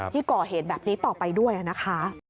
ที่ก่อเหตุแบบนี้ต่อไปด้วยนะคะ